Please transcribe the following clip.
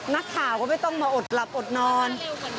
นักข่าวก็ไม่ต้องมาอดหลับอดนอน